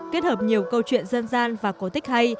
kết hợp nhiều câu chuyện dân gian và cổ tích hay